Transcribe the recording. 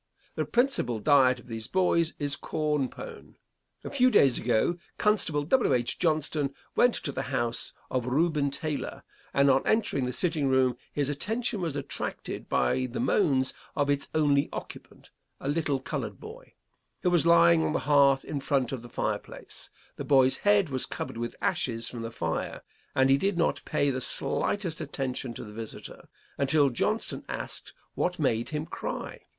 The principal diet of these boys is corn pone. A few days ago, Constable W. H. Johnston went to the house of Reuben Taylor, and on entering the sitting room his attention was attracted by the moans of its only occupant, a little colored boy, who was lying on the hearth in front of the fireplace. The boy's head was covered with ashes from the fire, and he did not pay the slightest attention to the visitor, until Johnston asked what made him cry.